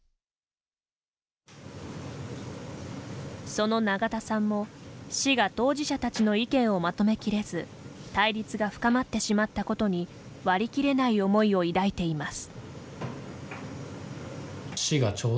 その永田さんも、市が当事者たちの意見をまとめきれず対立が深まってしまったことに割り切れない思いを抱いています。